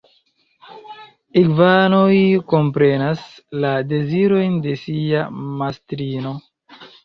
Igvanoj komprenas la dezirojn de sia mastrino.